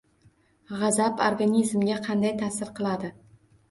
G’azab organizmga qanday tasir qiladi?